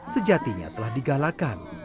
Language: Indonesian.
sejatinya telah digalakkan